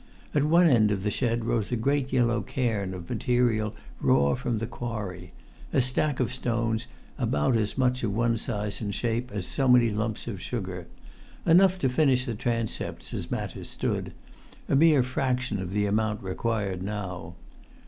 At one end of the shed rose a great yellow cairn of material raw from the quarry—a stack of stones about as much of one size and shape as so many lumps of sugar; enough to finish the transepts, as matters had stood; a mere fraction of the amount required now.